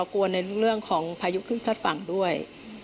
กลัวในเรื่องของพายุขึ้นซัดฝั่งด้วย